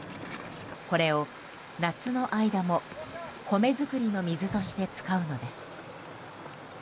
これを夏の間も米作りの水として使うのです。